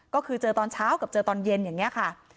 ก็คือเจอตอนเช้ากับเจอตอนเย็นอย่างนี้ค่ะ